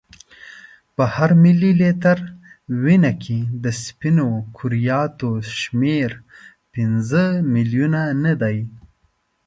په هر ملي لیتر وینه کې د سپینو کرویاتو شمیر پنځه میلیونه نه دی.